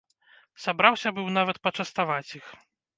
Сабраўся быў нават пачаставаць іх.